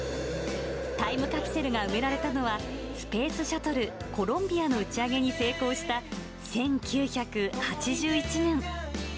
タイムカプセルが埋められたのは、スペースシャトル、コロンビアの打ち上げに成功した１９８１年。